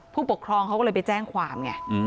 ผู้ปกครองเขาก็เลยไปแจ้งความไง